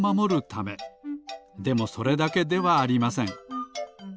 でもそれだけではありません。